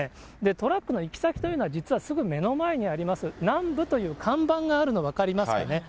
トラックの行き先というのは、実はすぐ目の前にあります、南武という看板があるの、分かりますかね。